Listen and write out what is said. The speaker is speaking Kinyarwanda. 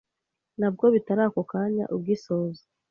na bwo bitari ako kanya ugisoza